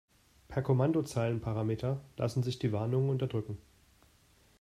Per Kommandozeilenparameter lassen sich die Warnungen unterdrücken.